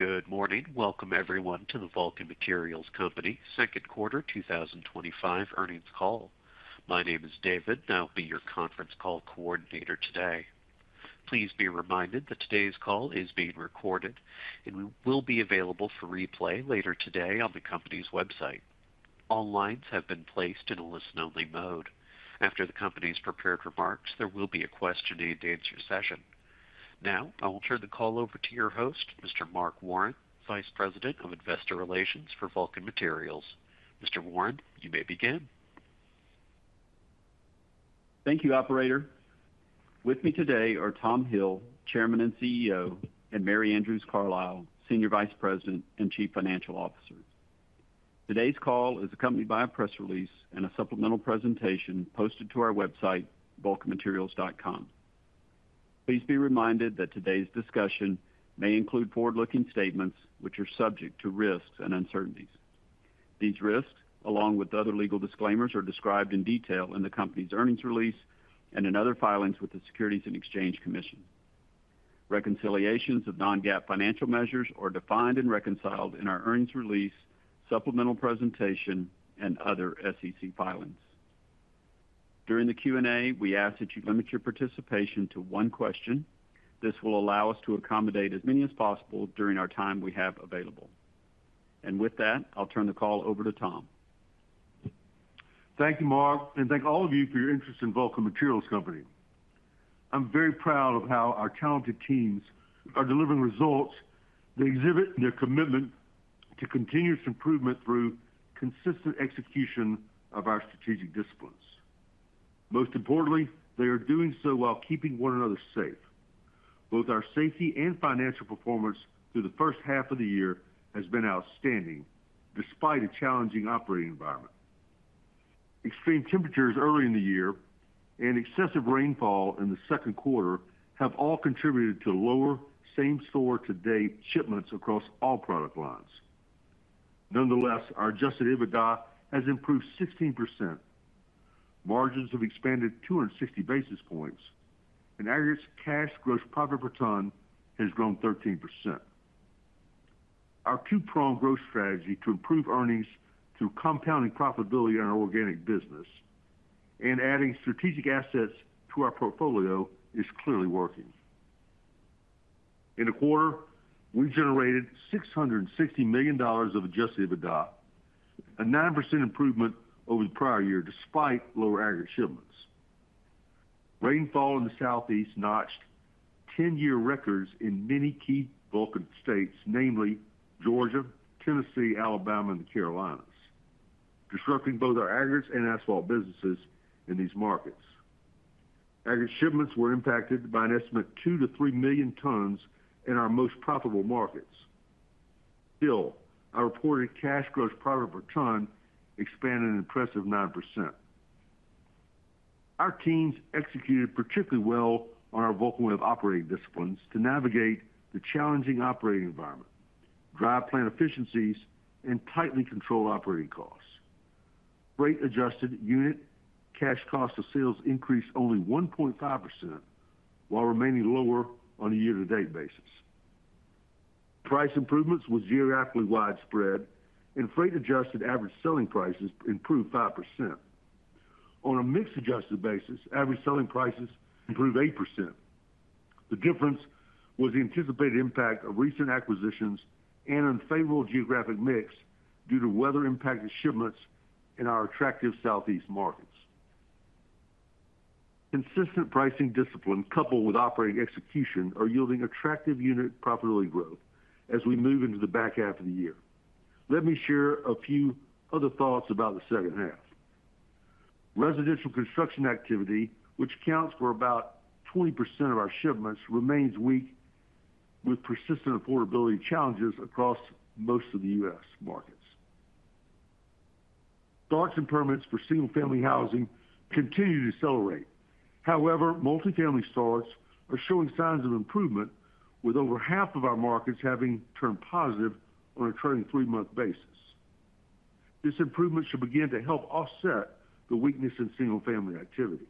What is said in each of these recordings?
Good morning. Welcome, everyone, to the Vulcan Materials Company Second Quarter 2025 Earnings Call. My name is David, and I'll be your conference call coordinator today. Please be reminded that today's call is being recorded, and we will be available for replay later today on the company's website. All lines have been placed in a listen-only mode. After the company's prepared remarks, there will be a question-and-answer session. Now, I will turn the call over to your host, Mr. Mark Warren, Vice President of Investor Relations for Vulcan Materials. Mr. Warren, you may begin. Thank you, Operator. With me today are Tom Hill, Chairman and CEO, and Mary Andrews Carlisle, Senior Vice President and Chief Financial Officer. Today's call is accompanied by a press release and a supplemental presentation posted to our website, vulcanmaterials.com. Please be reminded that today's discussion may include forward-looking statements, which are subject to risks and uncertainties. These risks, along with other legal disclaimers, are described in detail in the company's earnings release and in other filings with the Securities and Exchange Commission. Reconciliations of non-GAAP financial measures are defined and reconciled in our earnings release, supplemental presentation, and other SEC filings. During the Q&A, we ask that you limit your participation to one question. This will allow us to accommodate as many as possible during the time we have available. With that, I'll turn the call over to Tom. Thank you, Mark, and thank all of you for your interest in Vulcan Materials Company. I'm very proud of how our talented teams are delivering results that exhibit their commitment to continuous improvement through consistent execution of our strategic disciplines. Most importantly, they are doing so while keeping one another safe. Both our safety and financial performance through the first half of the year have been outstanding despite a challenging operating environment. Extreme temperatures early in the year and excessive rainfall in the second quarter have all contributed to lower same-store-to-date shipments across all product lines. Nonetheless, our adjusted EBITDA has improved 16%. Margins have expanded 260 basis points, and aggregate cash gross profit per ton has grown 13%. Our two-pronged growth strategy to improve earnings through compounding profitability in our organic business and adding strategic assets to our portfolio is clearly working. In the quarter, we generated $660 million of adjusted EBITDA, a 9% improvement over the prior year despite lower aggregate shipments. Rainfall in the Southeast notched 10-year records in many key Vulcan states, namely Georgia, Tennessee, Alabama, and the Carolinas, disrupting both our aggregate and asphalt businesses in these markets. Aggregate shipments were impacted by an estimate of 2 million tons-3 million tons in our most profitable markets. Still, our reported cash gross profit per ton expanded an impressive 9%. Our teams executed particularly well on our Vulcan Way of operating disciplines to navigate the challenging operating environment, drive plant efficiencies, and tightly control operating costs. Freight-adjusted unit cash cost of sales increased only 1.5% while remaining lower on a year-to-date basis. Price improvements were geographically widespread, and freight-adjusted average selling prices improved 5%. On a mix-adjusted basis, average selling prices improved 8%. The difference was the anticipated impact of recent acquisitions and an unfavorable geographic mix due to weather-impacted shipments in our attractive Southeast markets. Consistent pricing discipline, coupled with operating execution, are yielding attractive unit profitability growth as we move into the back half of the year. Let me share a few other thoughts about the second half. Residential construction activity, which accounts for about 20% of our shipments, remains weak with persistent affordability challenges across most of the U.S. markets. Docks and permits for single-family housing continue to accelerate. However, multifamily starts are showing signs of improvement, with over half of our markets having turned positive on a trending three-month basis. This improvement should begin to help offset the weakness in single-family activity.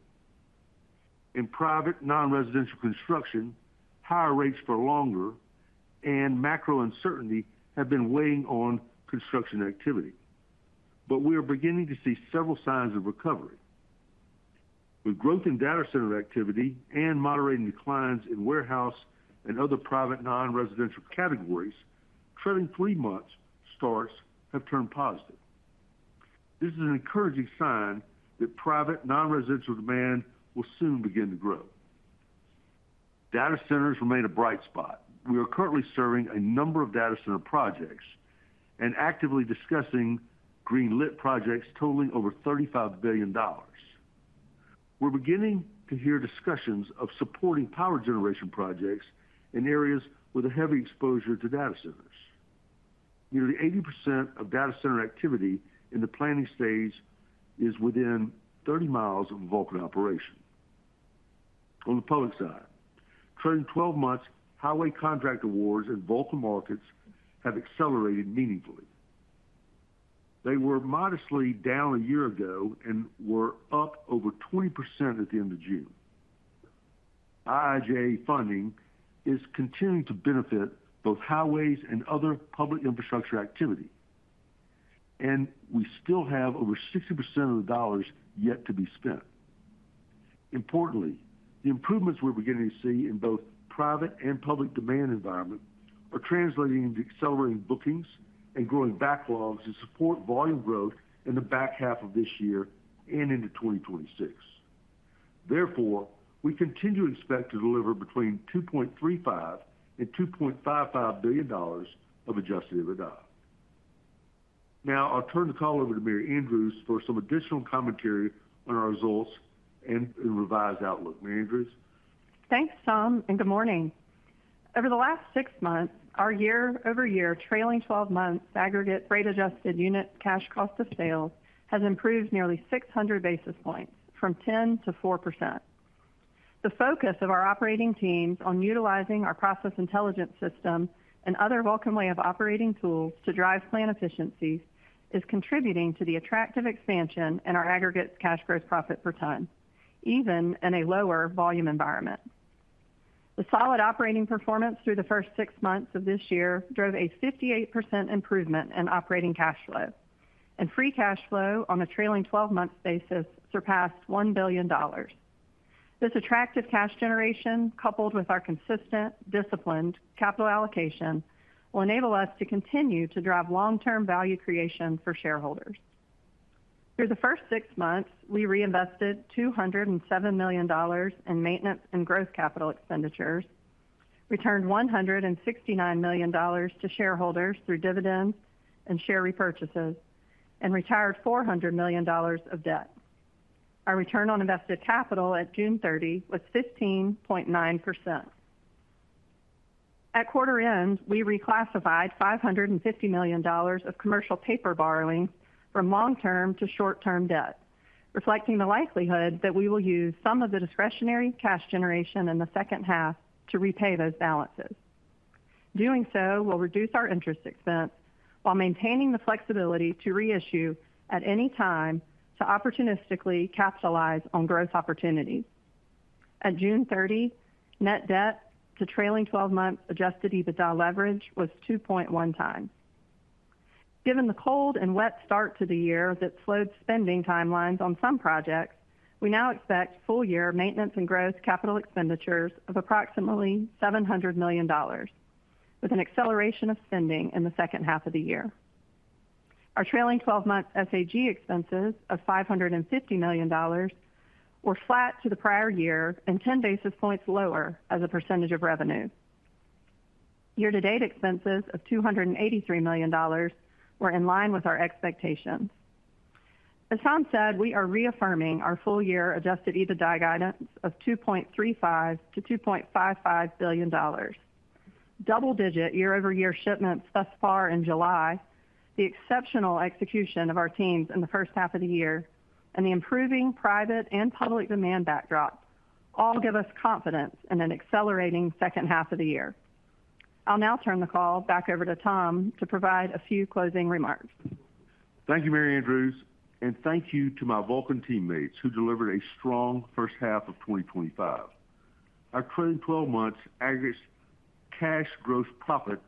In private non-residential construction, higher rates for longer and macro uncertainty have been weighing on construction activity. We are beginning to see several signs of recovery. With growth in data center activity and moderating declines in warehouse and other private non-residential categories, trending three-month starts have turned positive. This is an encouraging sign that private non-residential demand will soon begin to grow. Data centers remain a bright spot. We are currently serving a number of data center projects and actively discussing green-lit projects totaling over $35 billion. We're beginning to hear discussions of supporting power generation projects in areas with a heavy exposure to data centers. Nearly 80% of data center activity in the planning stage is within 30 mi of Vulcan operation. On the public side, trailing 12-month highway contract awards in Vulcan markets have accelerated meaningfully. They were modestly down a year ago and were up over 20% at the end of June. IIJA funding is continuing to benefit both highways and other public infrastructure activity. We still have over 60% of the dollars yet to be spent. Importantly, the improvements we're beginning to see in both private and public demand environments are translating into accelerating bookings and growing backlogs to support volume growth in the back half of this year and into 2026. Therefore, we continue to expect to deliver between $2.35 billion and $2.55 billion of adjusted EBITDA. Now, I'll turn the call over to Mary Andrews for some additional commentary on our results and the revised outlook. Mary Andrews? Thanks, Tom, and good morning. Over the last six months, our year-over-year, trailing 12 months' aggregate freight-adjusted unit cash cost of sales has improved nearly 600 basis points, from 10% to 4%. The focus of our operating teams on utilizing our process intelligence system and other Vulcan Way of operating tools to drive plant efficiencies is contributing to the attractive expansion in our aggregate cash gross profit per ton, even in a lower volume environment. The solid operating performance through the first six months of this year drove a 58% improvement in operating cash flow, and free cash flow on a trailing 12-month basis surpassed $1 billion. This attractive cash generation, coupled with our consistent, disciplined capital allocation, will enable us to continue to drive long-term value creation for shareholders. Through the first six months, we reinvested $207 million in maintenance and growth capital expenditures, returned $169 million to shareholders through dividends and share repurchases, and retired $400 million of debt. Our return on invested capital at June 30 was 15.9%. At quarter-end, we reclassified $550 million of commercial paper borrowing from long-term to short-term debt, reflecting the likelihood that we will use some of the discretionary cash generation in the second half to repay those balances. Doing so will reduce our interest expense while maintaining the flexibility to reissue at any time to opportunistically capitalize on growth opportunities. At June 30, net debt to trailing 12-month adjusted EBITDA leverage was 2.1x. Given the cold and wet start to the year that slowed spending timelines on some projects, we now expect full-year maintenance and growth capital expenditures of approximately $700 million, with an acceleration of spending in the second half of the year. Our trailing 12-month SAG expenses of $550 million were flat to the prior year and 10 basis points lower as a percentage of revenue. Year-to-date expenses of $283 million were in line with our expectations. As Tom said, we are reaffirming our full-year adjusted EBITDA guidance of $2.35 billion-$2.55 billion. Double-digit year-over-year shipments thus far in July, the exceptional execution of our teams in the first half of the year, and the improving private and public demand backdrop all give us confidence in an accelerating second half of the year. I'll now turn the call back over to Tom to provide a few closing remarks. Thank you, Mary Andrews, and thank you to my Vulcan teammates who delivered a strong first half of 2025. Our trailing 12-month aggregate cash gross profit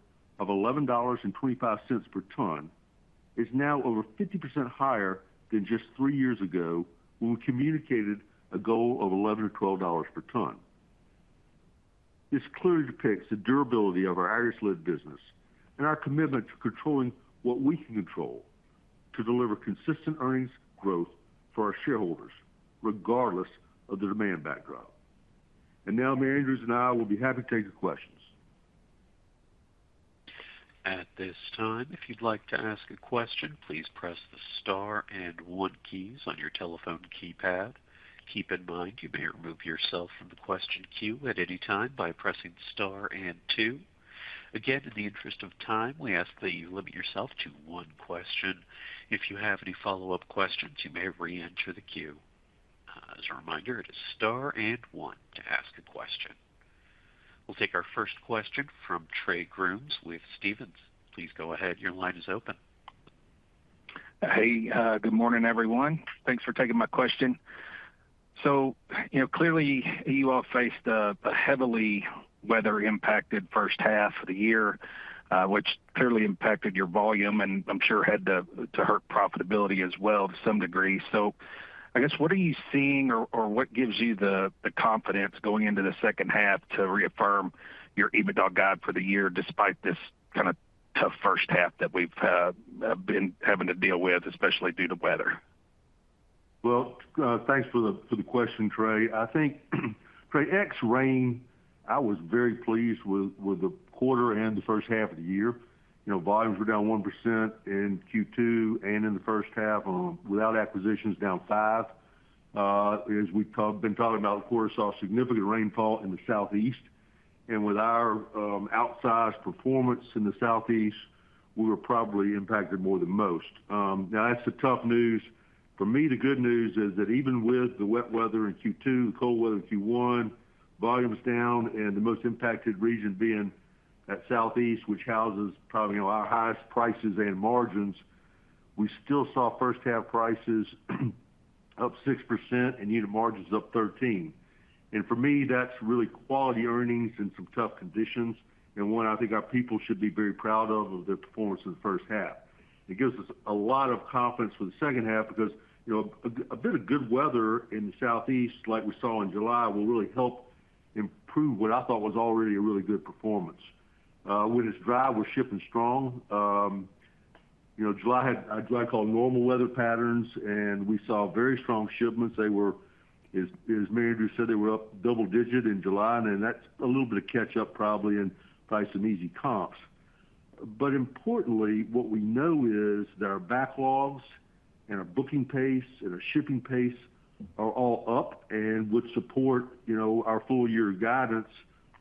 of $11.25 per ton is now over 50% higher than just three years ago when we communicated a goal of $11-$12 per ton. This clearly depicts the durability of our aggregate-led business and our commitment to controlling what we can control to deliver consistent earnings growth for our shareholders, regardless of the demand backdrop. Mary Andrews and I will be happy to take your questions. At this time, if you'd like to ask a question, please press the star and one keys on your telephone keypad. Keep in mind you may remove yourself from the question queue at any time by pressing star and two. Again, in the interest of time, we ask that you limit yourself to one question. If you have any follow-up questions, you may re-enter the queue. As a reminder, it is star and one to ask a question. We'll take our first question from Trey Grooms with Stephens. Please go ahead. Your line is open. Hey, good morning, everyone. Thanks for taking my question. You all faced a heavily weather-impacted first half of the year, which clearly impacted your volume and I'm sure had to hurt profitability as well to some degree. What are you seeing or what gives you the confidence going into the second half to reaffirm your EBITDA guide for the year despite this kind of tough first half that we've been having to deal with, especially due to weather? Thanks for the question, Trey. I think, Trey, ex-rain, I was very pleased with the quarter and the first half of the year. You know, volumes were down 1% in Q2 and in the first half, without acquisitions, down 5%. As we've been talking about, of course, saw significant rainfall in the Southeast. With our outsized performance in the Southeast, we were probably impacted more than most. That's the tough news. For me, the good news is that even with the wet weather in Q2, the cold weather in Q1, volumes down, and the most impacted region being that Southeast, which houses probably, you know, our highest prices and margins, we still saw first-half prices up 6% and unit margins up 13%. For me, that's really quality earnings in some tough conditions and one I think our people should be very proud of, of their performance in the first half. It gives us a lot of confidence for the second half because, you know, a bit of good weather in the Southeast, like we saw in July, will really help improve what I thought was already a really good performance. When it's dry, we're shipping strong. July had what I call normal weather patterns, and we saw very strong shipments. They were, as Mary Andrews said, they were up double-digit in July, and that's a little bit of catch-up probably and probably some easy comps. Importantly, what we know is that our backlogs and our booking pace and our shipping pace are all up and would support, you know, our full-year guidance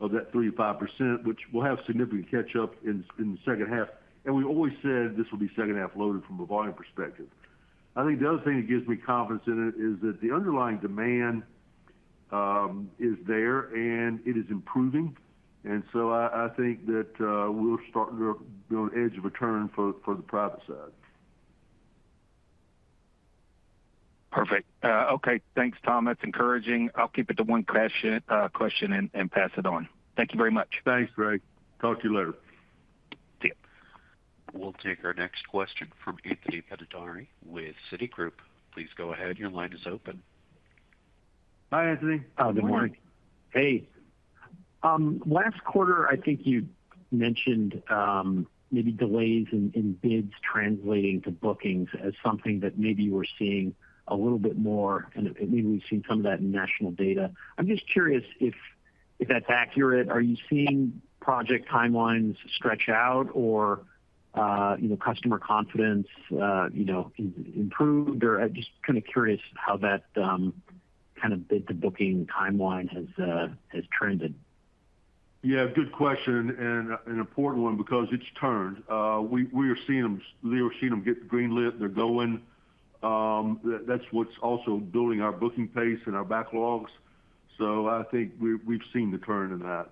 of that 3%-5%, which will have significant catch-up in the second half. We always said this will be second-half loaded from a volume perspective. I think the other thing that gives me confidence in it is that the underlying demand is there and it is improving. I think that we're starting to be on the edge of a turn for the private side. Perfect. Okay, thanks, Tom. That's encouraging. I'll keep it to one question and pass it on. Thank you very much. Thanks, Trey. Talk to you later. See you. We'll take our next question from Anthony Pettinari with Citigroup Global Markets. Please go ahead. Your line is open. Hi, Anthony. Hi, good morning. Hey, last quarter, I think you mentioned maybe delays in bids translating to bookings as something that maybe you were seeing a little bit more, and maybe we've seen some of that in national data. I'm just curious if that's accurate. Are you seeing project timelines stretch out? You know, customer confidence improved? I'm just kind of curious how that bid, the booking timeline has trended. Yeah, good question and an important one because it's turned. We are seeing them, they are seeing them get green-lit. They're going. That's what's also building our booking pace and our backlogs. I think we've seen the turn in that.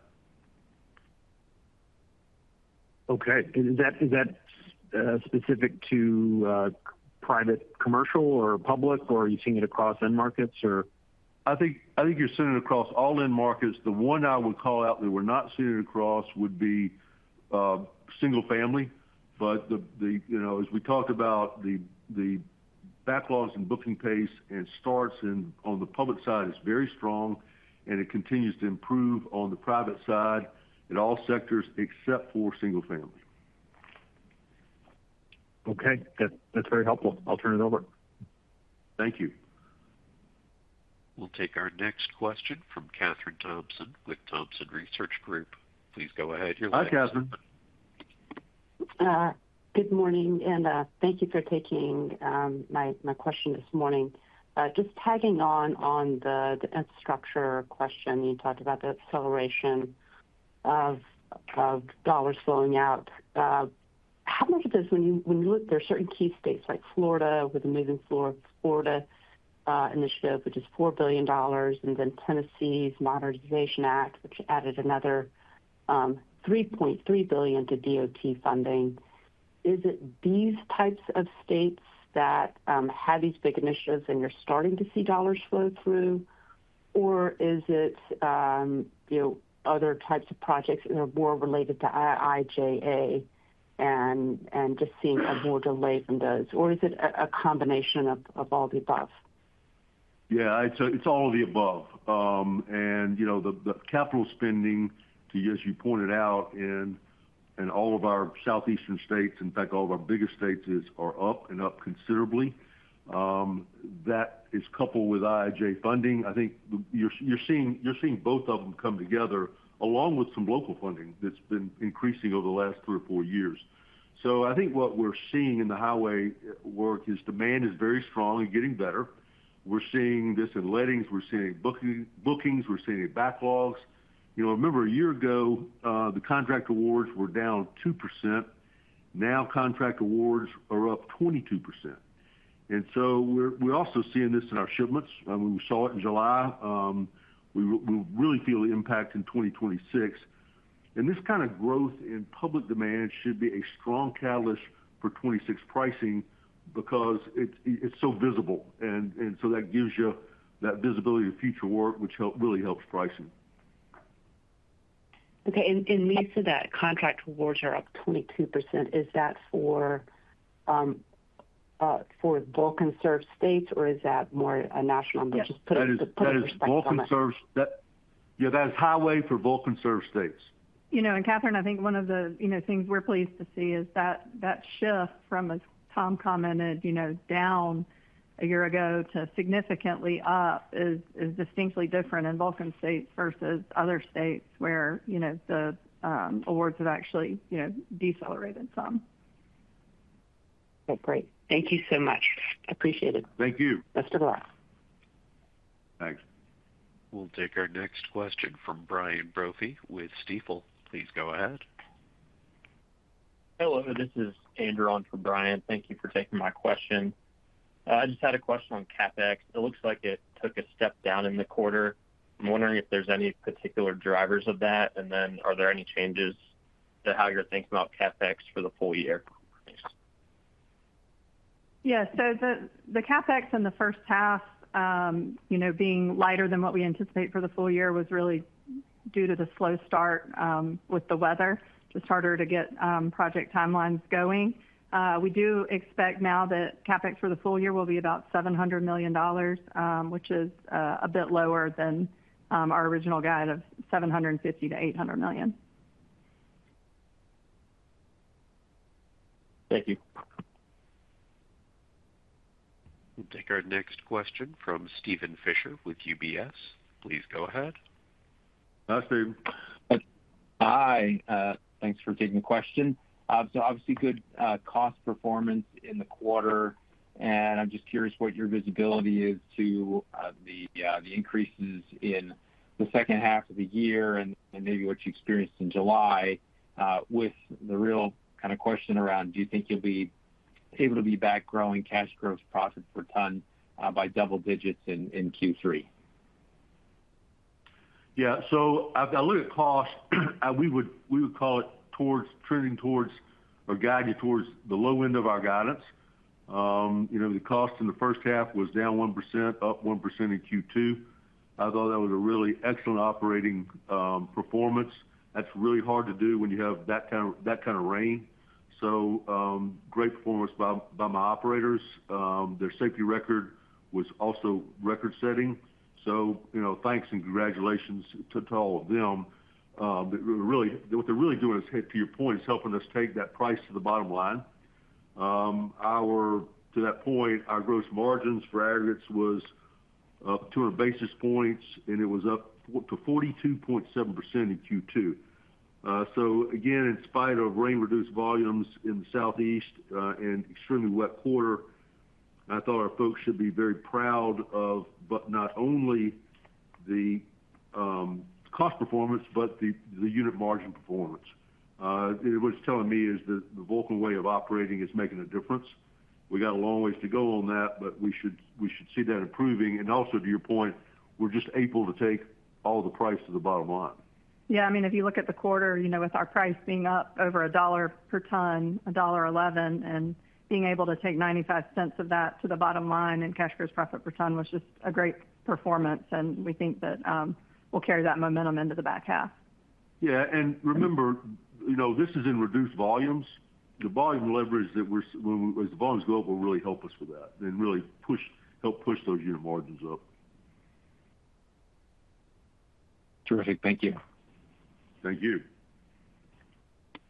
Okay. Is that specific to private commercial or public, or are you seeing it across end markets? I think you're seeing it across all end markets. The one I would call out that we're not seeing it across would be single-family. As we talked about, the backlogs and booking pace and starts on the public side is very strong, and it continues to improve on the private side in all sectors except for single-family. Okay, that's very helpful. I'll turn it over. Thank you. We'll take our next question from Kathryn Thompson with Thompson Research Group. Please go ahead. Hi, Kathryn. Good morning, and thank you for taking my question this morning. Just tagging on the infrastructure question, you talked about the acceleration of dollars flowing out. How much of this, when you look, there are certain key states like Florida with the Moving Florida Forward initiative, which is $4 billion, and then Tennessee’s Modernization Act, which added another $3.3 billion to DOT funding. Is it these types of states that have these big initiatives and you're starting to see dollars flow through, or is it other types of projects that are more related to IIJA and just seeing a more delay from those? Or is it a combination of all the above? Yeah, it's all of the above. You know, the capital spending, as you pointed out, in all of our Southeastern states, in fact, all of our biggest states are up and up considerably. That is coupled with IIJA funding. I think you're seeing both of them come together along with some local funding that's been increasing over the last three or four years. I think what we're seeing in the highway work is demand is very strong and getting better. We're seeing this in lettings, bookings, and backlogs. You know, remember a year ago, the contract awards were down 2%. Now contract awards are up 22%. We're also seeing this in our shipments. I mean, we saw it in July. We really feel the impact in 2026. This kind of growth in public demand should be a strong catalyst for 2026 pricing because it's so visible. That gives you that visibility of future work, which really helps pricing. Okay. Lisa said that contract awards are up 22%. Is that for Vulcan-served states, or is that more a national? That is Vulcan-served. Yeah, that is highway for Vulcan-served states. You know, and Kathryn, I think one of the things we're pleased to see is that that shift from, as Tom commented, down a year ago to significantly up is distinctly different in Vulcan states versus other states where the awards have actually decelerated some. Okay, great. Thank you so much. I appreciate it. Thank you. Best of luck. Thanks. We'll take our next question from Brian Brophy with Stifel. Please go ahead. Hello, this is Andrew on for Brian. Thank you for taking my question. I just had a question on CapEx. It looks like it took a step down in the quarter. I'm wondering if there's any particular drivers of that, and then are there any changes to how you're thinking about CapEx for the full year? Yeah, so the CapEx in the first half, you know, being lighter than what we anticipate for the full year, was really due to the slow start with the weather. It was just harder to get project timelines going. We do expect now that CapEx for the full year will be about $700 million, which is a bit lower than our original guide of $750 million-$800 million. Thank you. We'll take our next question from Steven Fisher with UBS. Please go ahead. Hi, Steve. Hi. Thanks for taking the question. Obviously, good cost performance in the quarter, and I'm just curious what your visibility is to the increases in the second half of the year and maybe what you experienced in July with the real kind of question around, do you think you'll be able to be back growing cash gross profit per ton by double digits in Q3? Yeah, so I've got a little bit of cost. We would call it trending towards or guided towards the low end of our guidance. You know, the cost in the first half was down 1%, up 1% in Q2. I thought that was a really excellent operating performance. That's really hard to do when you have that kind of rain. Great performance by my operators. Their safety record was also record-setting. So, you know, thanks and congratulations to all of them. What they're really doing is, to your point, is helping us take that price to the bottom line. To that point, our gross margins for aggregates was up 200 basis points, and it was up to 42.7% in Q2. Again, in spite of rain-reduced volumes in the Southeast and extremely wet quarter, I thought our folks should be very proud of not only the cost performance, but the unit margin performance. What it's telling me is that the Vulcan Way of operating is making a difference. We got a long ways to go on that, but we should see that improving. Also, to your point, we're just able to take all the price to the bottom line. Yeah, I mean, if you look at the quarter, you know, with our price being up over $1 per ton, $1.11, and being able to take $0.95 of that to the bottom line and cash gross profit per ton was just a great performance. We think that we'll carry that momentum into the back half. Yeah, remember, this is in reduced volumes. The volume leverage that we're, as the volumes go up, will really help us with that and really help push those unit margins up. Terrific. Thank you. Thank you.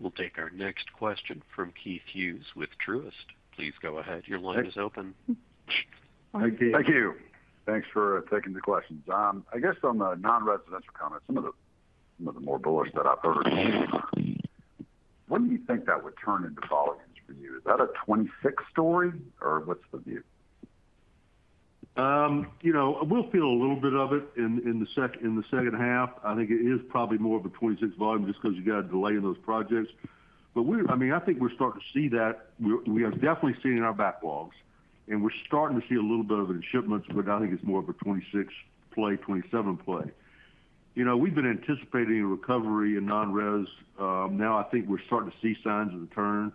We'll take our next question from Keith Hughes with Truist. Please go ahead. Your line is open. Thank you. Thanks for taking the questions. I guess on the non-residential comments, some of the more bullish that I've heard. What do you think that would turn into volumes for you? Is that a 2026 story or what's the view? You know, we'll feel a little bit of it in the second half. I think it is probably more of a 2026 volume just because you got a delay in those projects. I mean, I think we're starting to see that. We are definitely seeing our backlogs, and we're starting to see a little bit of it in shipments, but I think it's more of a 2026 play, 2027 play. You know, we've been anticipating a recovery in non-res. Now I think we're starting to see signs of the turn.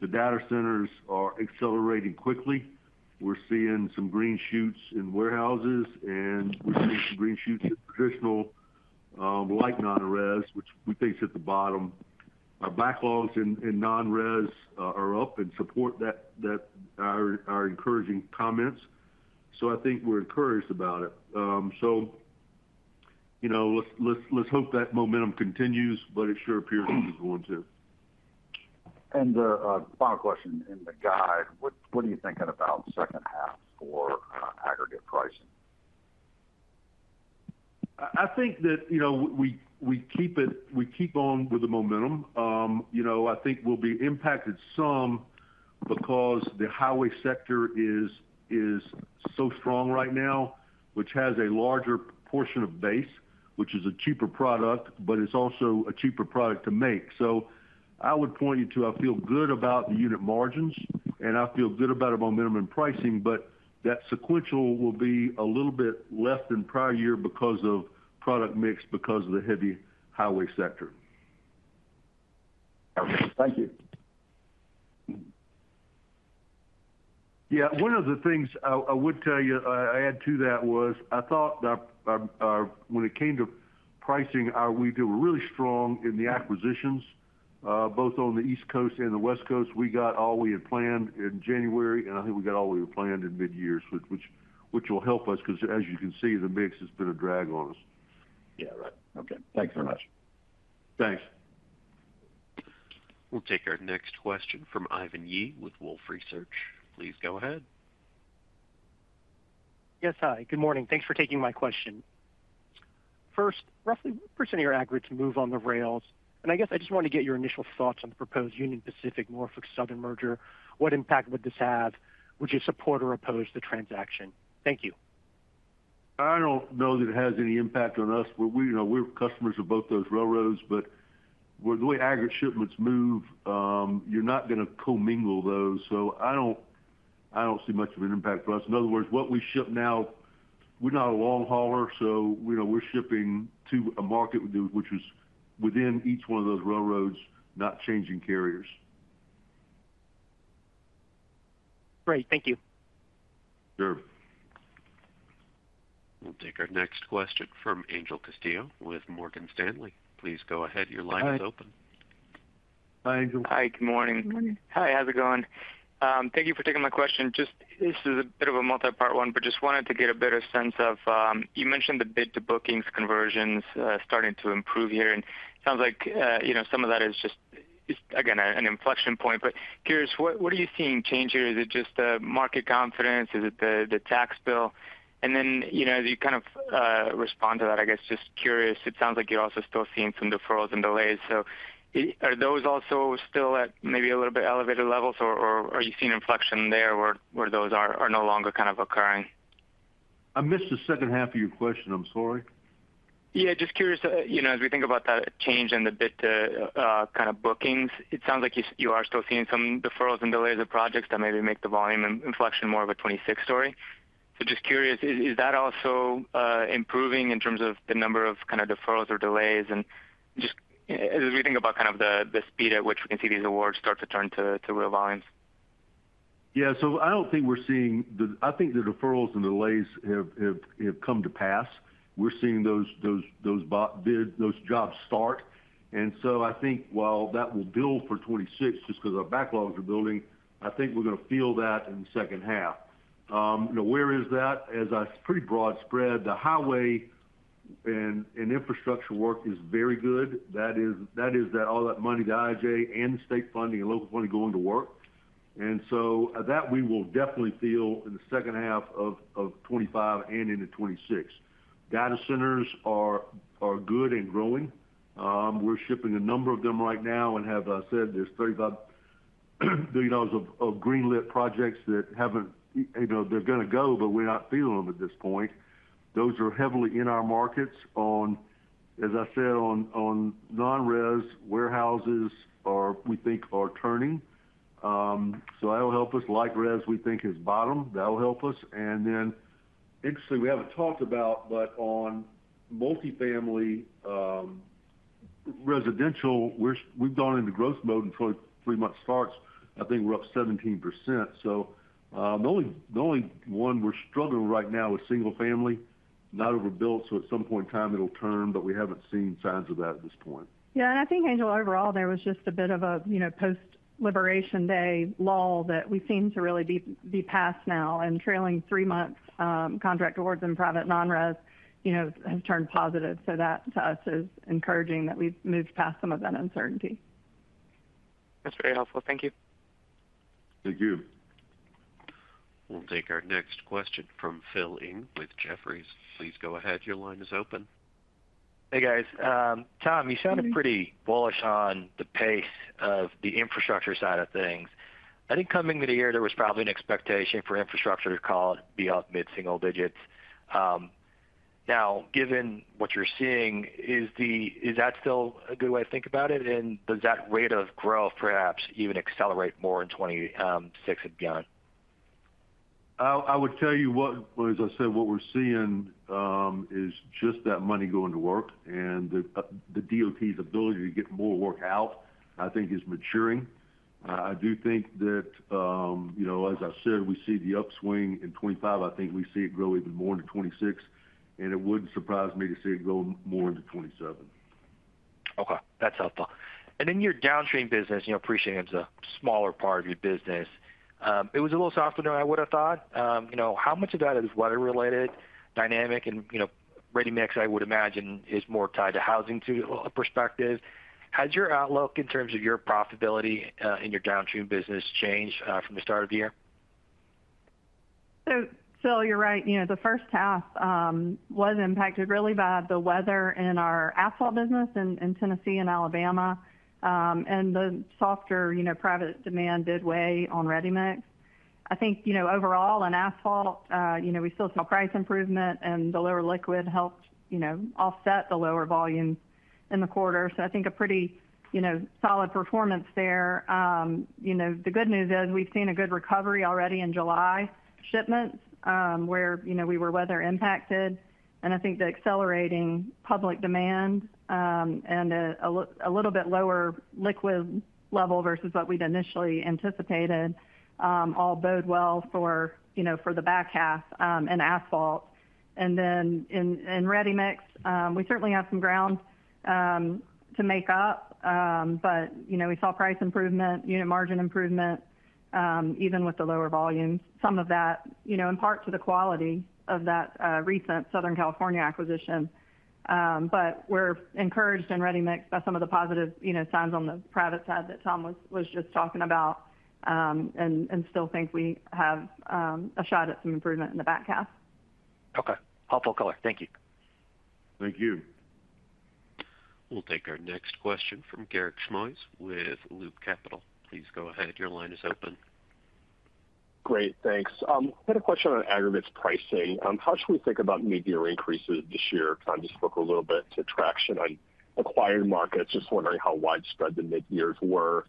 The data centers are accelerating quickly. We're seeing some green shoots in warehouses, and we're seeing some green shoots in traditional light non-res, which we think is at the bottom. Our backlogs in non-res are up and support that. Are encouraging comments. I think we're encouraged about it. Let's hope that momentum continues, but it sure appears it is going to. The final question in the guide, what are you thinking about second half for aggregate pricing? I think that we keep on with the momentum. I think we'll be impacted some because the highway sector is so strong right now, which has a larger portion of base, which is a cheaper product, but it's also a cheaper product to make. I would point you to, I feel good about the unit margins, and I feel good about the momentum in pricing, but that sequential will be a little bit less than prior year because of product mix because of the heavy highway sector. Okay, thank you. Yeah, one of the things I would tell you, I add to that was I thought when it came to pricing, we were really strong in the acquisitions, both on the East Coast and the West Coast. We got all we had planned in January, and I think we got all we were planned in mid-year, which will help us because, as you can see, the mix has been a drag on us. Yeah, right. Okay, thanks very much. Thanks. We'll take our next question from Ivan Yi with Wolfe Research. Please go ahead. Yes, hi. Good morning. Thanks for taking my question. First, roughly what percent of your aggregates move on the rails? I guess I just want to get your initial thoughts on the proposed Union Pacific-Norfolk Southern merger. What impact would this have? Would you support or oppose the transaction? Thank you. I don't know that it has any impact on us. We're customers of both those railroads, but the way aggregate shipments move, you're not going to commingle those. I don't see much of an impact for us. In other words, what we ship now, we're not a long hauler, so we're shipping to a market, which is within each one of those railroads, not changing carriers. Great. Thank you. Sure. We'll take our next question from Angel Castillo with Morgan Stanley. Please go ahead. Your line is open. Hi, Angel. Hi, good morning. Good morning. Hi, how's it going? Thank you for taking my question. This is a bit of a multi-part one, but just wanted to get a better sense of, you mentioned the bid-to-bookings conversions starting to improve here, and it sounds like, you know, some of that is just, again, an inflection point. Curious, what are you seeing change here? Is it just market confidence? Is it the tax bill? As you kind of respond to that, I guess, just curious, it sounds like you're also still seeing some deferrals and delays. Are those also still at maybe a little bit elevated levels, or are you seeing inflection there where those are no longer kind of occurring? I missed the second half of your question. I'm sorry. Yeah, just curious, as we think about that change in the bid-to-kind-of-bookings, it sounds like you are still seeing some deferrals and delays of projects that maybe make the volume inflection more of a 2026 story. Just curious, is that also improving in terms of the number of kind of deferrals or delays? As we think about the speed at which we can see these awards start to turn to real volumes. I don't think we're seeing the, I think the deferrals and delays have come to pass. We're seeing those jobs start. I think while that will build for 2026, just because our backlogs are building, we're going to feel that in the second half. Now, where is that? As I said, pretty broad spread. The highway and infrastructure work is very good. All that money, the IIJA and state funding and local funding, is going to work. We will definitely feel that in the second half of 2025 and into 2026. Data centers are good and growing. We're shipping a number of them right now and, as I said, there's $35 billion of greenlit projects that haven't, you know, they're going to go, but we're not feeling them at this point. Those are heavily in our markets on, as I said, on non-res. Warehouses, we think, are turning. That'll help us. Like-res, we think, is bottom. That'll help us. Interestingly, we haven't talked about, but on multifamily residential, we've gone into growth mode in three month starts. I think we're up 17%. The only one we're struggling with right now is single-family, not overbuilt. At some point in time, it'll turn, but we haven't seen signs of that at this point. Yeah, I think, Angel, overall, there was just a bit of a post-Liberation Day lull that we seem to really be past now. Trailing three-month contract awards in private non-res, you know, have turned positive. That, to us, is encouraging that we've moved past some of that uncertainty. That's very helpful. Thank you. Thank you. We'll take our next question from Phil Ng with Jefferies. Please go ahead. Your line is open. Hey, guys. Tom, you sounded pretty bullish on the pace of the infrastructure side of things. I think coming into the year, there was probably an expectation for infrastructure to call it beyond mid-single digits. Now, given what you're seeing, is that still a good way to think about it? Does that rate of growth perhaps even accelerate more in 2026 and beyond? I would tell you what, as I said, what we're seeing is just that money going to work. The DOT's ability to get more work out, I think, is maturing. I do think that. As I said, we see the upswing in 2025. I think we see it grow even more into 2026. It wouldn't surprise me to see it grow more into 2027. Okay. That's helpful. In your downstream business, I appreciate it's a smaller part of your business. It was a little softer than I would have thought. How much of that is weather-related, dynamic, and ready mix, I would imagine, is more tied to housing perspective. Has your outlook in terms of your profitability in your downstream business changed from the start of the year? Phil, you're right. The first half was impacted really by the weather in our asphalt business in Tennessee and Alabama. The softer private demand did weigh on ready-mixed concrete. Overall, in asphalt, we still saw price improvement, and the lower liquid helped offset the lower volumes in the quarter. I think a pretty solid performance there. The good news is we've seen a good recovery already in July shipments where we were weather impacted. I think the accelerating public infrastructure demand and a little bit lower liquid level versus what we'd initially anticipated all bode well for the back half in asphalt. In ready-mixed concrete, we certainly have some ground to make up. We saw price improvement and unit margin improvement, even with the lower volumes. Some of that is in part due to the quality of that recent Southern California acquisition. We're encouraged in ready-mixed concrete by some of the positive signs on the private side that Tom was just talking about, and still think we have a shot at some improvement in the back half. Okay. Helpful color. Thank you. Thank you. We'll take our next question from Garik Shmois with Loop Capital. Please go ahead. Your line is open. Great. Thanks. I had a question on aggregates pricing. How should we think about mid-year increases this year? Tom just spoke a little bit to traction on acquired markets. I'm just wondering how widespread the mid-years were.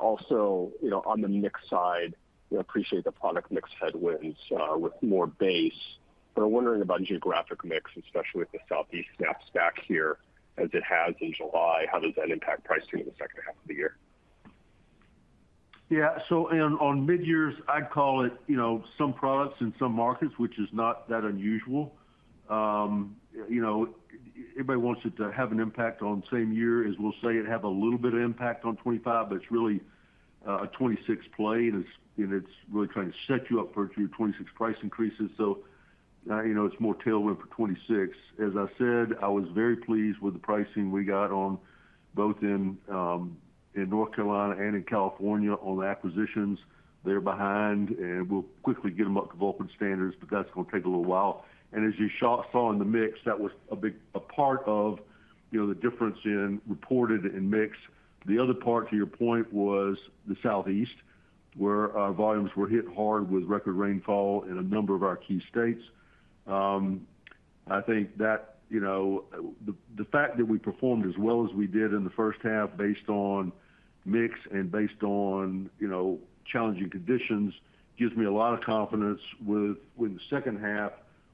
Also, on the mix side, I appreciate the product mix headwinds with more base. I'm wondering about geographic mix, especially with the Southeast snaps back here as it has in July. How does that impact pricing in the second half of the year? Yeah. On mid-years, I'd call it some products in some markets, which is not that unusual. Everybody wants it to have an impact on the same year. As we'll say, it will have a little bit of impact on 2025, but it's really a 2026 play. It's really trying to set you up for your 2026 price increases. It's more tailwind for 2026. As I said, I was very pleased with the pricing we got in both North Carolina and in California on the acquisitions. They're behind, and we'll quickly get them up to the Vulcan standards, but that's going to take a little while. As you saw in the mix, that was a big part of the difference in reported and mix. The other part, to your point, was the Southeast, where our volumes were hit hard with record rainfall in a number of our key states. I think that the fact that we performed as well as we did in the first half based on mix and based on challenging conditions gives me a lot of confidence with the second half,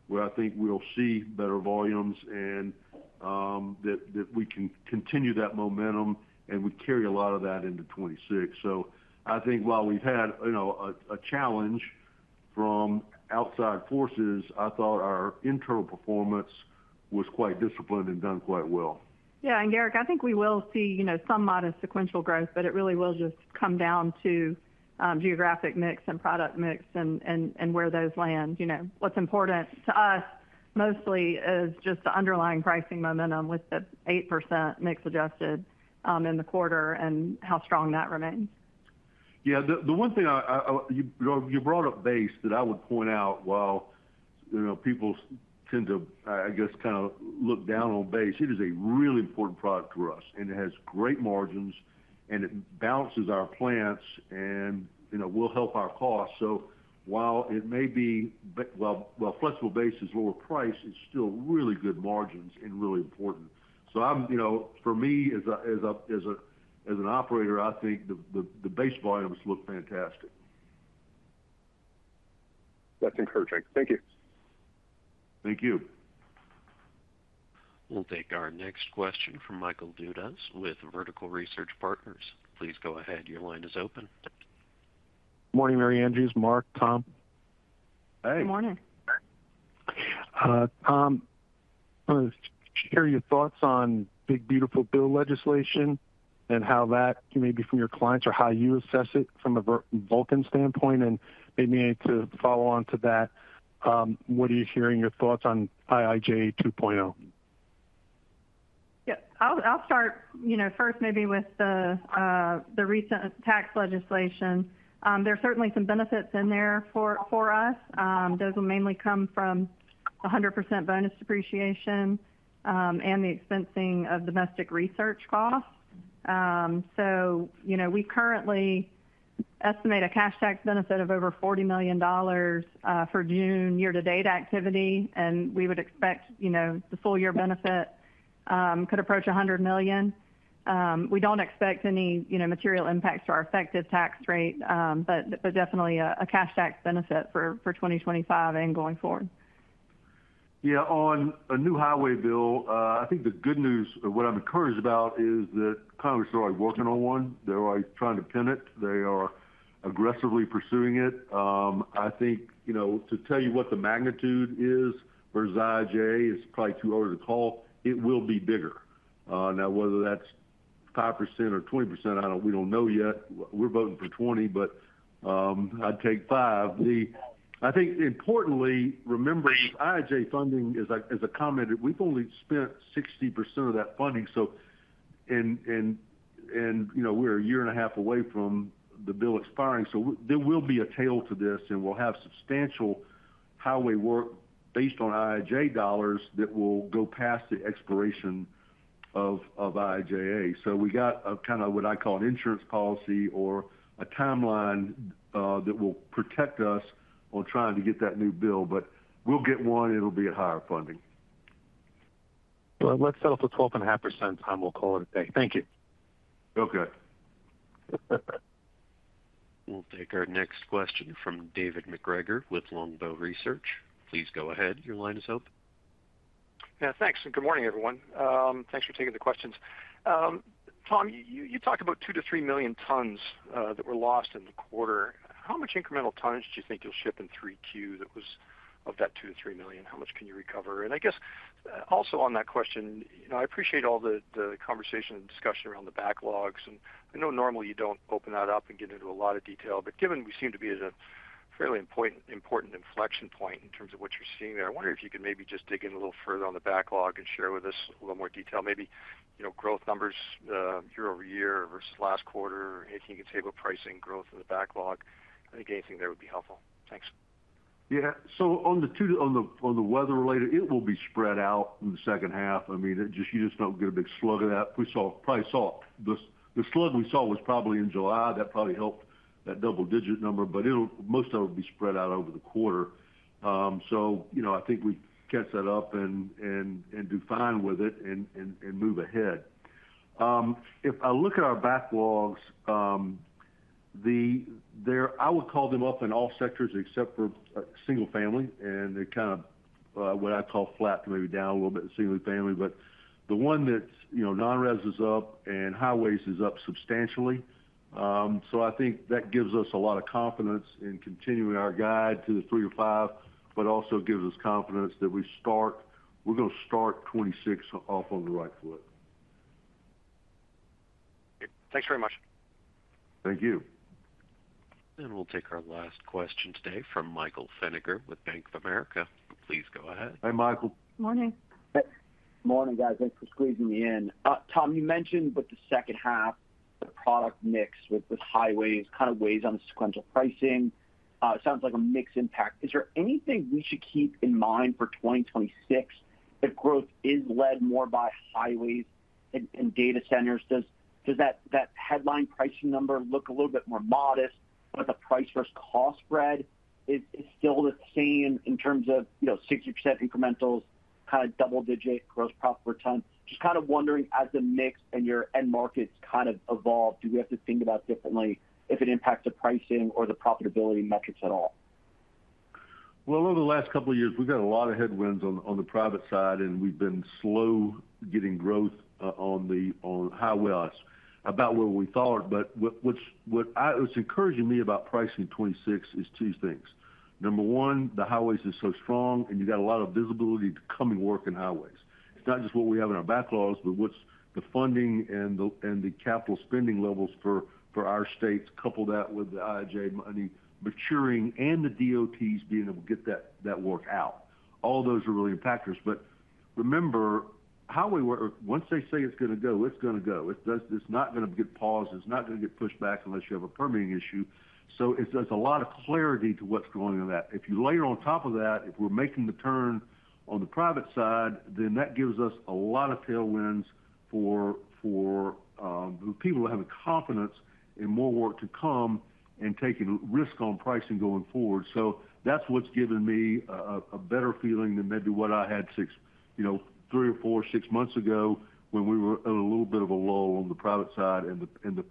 where I think we'll see better volumes and that we can continue that momentum and we carry a lot of that into 2026. I think while we've had a challenge from outside forces, I thought our internal performance was quite disciplined and done quite well. Yeah. Garik, I think we will see some modest sequential growth, but it really will just come down to geographic mix and product mix and where those land. You know, what's important to us mostly is just the underlying pricing momentum with the 8% mix adjusted in the quarter and how strong that remains. Yeah. The one thing you brought up, base, that I would point out, while, you know, people tend to, I guess, kind of look down on base, it is a really important product for us. It has great margins, and it balances our plants, and, you know, will help our costs. While flexible base is lower priced, it's still really good margins and really important. I'm, you know, for me, as an operator, I think the base volumes look fantastic. That's encouraging. Thank you. Thank you. We'll take our next question from Michael Dudas with Vertical Research Partners. Please go ahead. Your line is open. Mary Andrews. Mark, Tom. Hey. Good morning. Tom, I'm going to share your thoughts on Big Beautiful Bill legislation and how that may be from your clients or how you assess it from a Vulcan standpoint. Maybe to follow on to that, what are you hearing your thoughts on IIJA 2.0? I'll start first maybe with the recent tax legislation. There are certainly some benefits in there for us. Those will mainly come from 100% bonus depreciation and the expensing of domestic research costs. We currently estimate a cash tax benefit of over $40 million for June year-to-date activity, and we would expect the full year benefit could approach $100 million. We don't expect any material impacts to our effective tax rate, but definitely a cash tax benefit for 2025 and going forward. Yeah. On a new highway bill, I think the good news, what I'm encouraged about, is that Congress is already working on one. They're already trying to pin it. They are aggressively pursuing it. I think, you know, to tell you what the magnitude is for IIJA, it's probably too early to call. It will be bigger. Now, whether that's 5% or 20%, I don't, we don't know yet. We're voting for 20%, but I'd take 5%. I think importantly, remembering IIJA funding is a comment, we've only spent 60% of that funding. You know, we're a year and a half away from the bill expiring. There will be a tail to this, and we'll have substantial highway work based on IIJA dollars that will go past the expiration of IIJA. We got kind of what I call an insurance policy or a timeline that will protect us on trying to get that new bill. We'll get one, and it'll be at higher funding. Let's settle for 12.5%, Tom. We'll call it a day. Thank you. Okay. We'll take our next question from David MacGregor with Longbow Research. Please go ahead. Your line is open. Yeah. Thanks. Good morning, everyone. Thanks for taking the questions. Tom, you talked about 2 million tons-3 million tons that were lost in the quarter. How much incremental tons do you think you'll ship in 3Q that was of that 2 million tons-3 million tons? How much can you recover? I guess also on that question, I appreciate all the conversation and discussion around the backlogs. I know normally you don't open that up and get into a lot of detail, but given we seem to be at a fairly important inflection point in terms of what you're seeing there, I wonder if you could maybe just dig in a little further on the backlog and share with us a little more detail. Maybe, you know, growth numbers year-over-year versus last quarter, anything you can say about pricing growth in the backlog. I think anything there would be helpful. Thanks. Yeah. On the weather-related, it will be spread out in the second half. You just don't get a big slug of that. We probably saw the slug we saw in July. That probably helped that double-digit number, but most of it will be spread out over the quarter. I think we catch that up and do fine with it and move ahead. If I look at our backlogs, I would call them up in all sectors except for single-family. They're kind of what I call flat, maybe down a little bit in single-family. The one that's non-res is up and highways is up substantially. I think that gives us a lot of confidence in continuing our guide to the 3% or 5%, but also gives us confidence that we're going to start 2026 off on the right foot. Thanks very much. Thank you. We will take our last question today from Michael Feniger with Bank of America. Please go ahead. Hey, Michael. Morning. Morning, guys. Thanks for squeezing me in. Tom, you mentioned with the second half, the product mix with the highways kind of weighs on the sequential pricing. It sounds like a mixed impact. Is there anything we should keep in mind for 2026 if growth is led more by highways and data centers? Does that headline pricing number look a little bit more modest, but the price versus cost spread is still the same in terms of, you know, 60% incrementals, kind of double-digit gross profit per ton? Just kind of wondering, as the mix and your end markets kind of evolve, do we have to think about differently if it impacts the pricing or the profitability metrics at all? Over the last couple of years, we've got a lot of headwinds on the private side, and we've been slow getting growth on the highways about where we thought. What's encouraging me about pricing '26 is two things. Number one, the highways are so strong, and you've got a lot of visibility to come and work in highways. It's not just what we have in our backlogs, but what's the funding and the capital spending levels for our states. Couple that with the IIJA funding maturing and the DOTs being able to get that work out. All those are really impactors. Remember, highway work, once they say it's going to go, it's going to go. It's not going to get paused. It's not going to get pushed back unless you have a permitting issue. It's a lot of clarity to what's going on with that. If you layer on top of that, if we're making the turn on the private side, then that gives us a lot of tailwinds for people to have a confidence in more work to come and taking risk on pricing going forward. That's what's given me a better feeling than maybe what I had three or four, six months ago when we were at a little bit of a lull on the private side and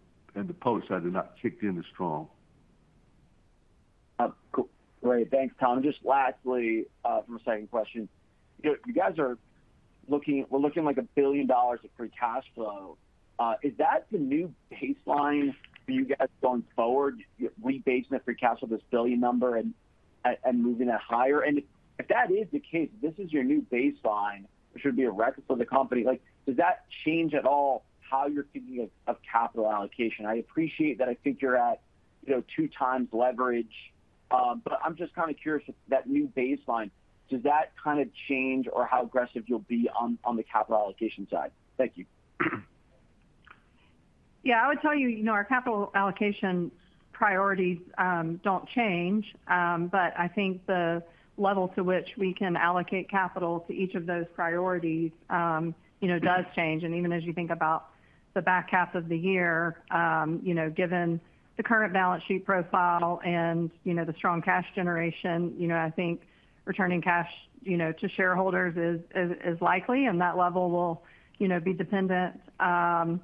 the public side did not kick in as strong. Great. Thanks, Tom. Just lastly, from a second question. You guys are looking, we're looking like $1 billion of free cash flow. Is that the new baseline for you guys going forward, rebasing the free cash flow to this $1 billion number and moving that higher? If that is the case, this is your new baseline, which would be a record for the company. Does that change at all how you're thinking of capital allocation? I appreciate that I think you're at, you know, 2x leverage. I'm just kind of curious, that new baseline, does that kind of change or how aggressive you'll be on the capital allocation side? Thank you. Yeah. I would tell you, you know, our capital allocation priorities don't change. I think the level to which we can allocate capital to each of those priorities does change. Even as you think about the back half of the year, given the current balance sheet profile and the strong cash generation, I think returning cash to shareholders is likely. That level will be dependent upon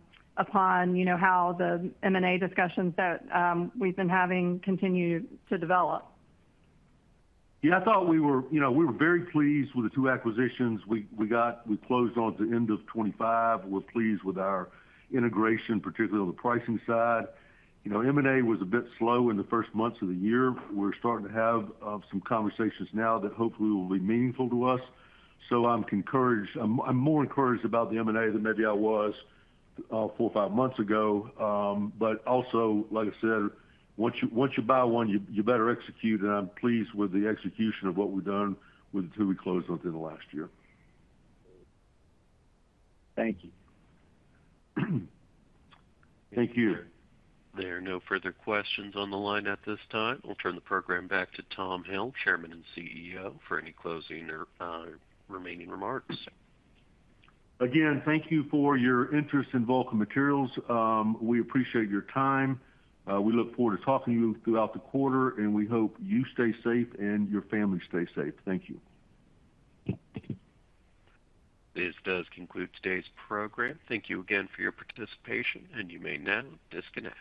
how the M&A discussions that we've been having continue to develop. Yeah. I thought we were, you know, we were very pleased with the two acquisitions we got. We closed on at the end of 2025. We're pleased with our integration, particularly on the pricing side. You know, M&A was a bit slow in the first months of the year. We're starting to have some conversations now that hopefully will be meaningful to us. I'm encouraged. I'm more encouraged about the M&A than maybe I was four or five months ago. Also, like I said, once you buy one, you better execute. I'm pleased with the execution of what we've done with who we closed with in the last year. Thank you. Thank you. There are no further questions on the line at this time. We'll turn the program back to Tom Hill, Chairman and CEO, for any closing or remaining remarks. Again, thank you for your interest in Vulcan Materials. We appreciate your time. We look forward to talking to you throughout the quarter, and we hope you stay safe and your family stays safe. Thank you. This does conclude today's program. Thank you again for your participation, and you may now disconnect.